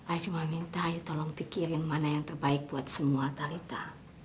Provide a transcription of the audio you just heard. aku cuma minta kamu tolong pikirin mana yang terbaik buat semua nontalita